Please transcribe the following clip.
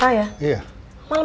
abang just pusat gitu